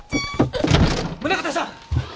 宗形さん！